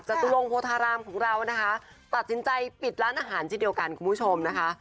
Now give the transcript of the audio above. จตุลงโพธารามของเรานะคะตัดสินใจปิดร้านอาหารเช่นเดียวกันคุณผู้ชมนะคะ